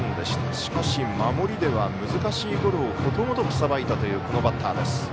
しかし、守りでは難しいゴロをことごとくさばいたというこのバッターです。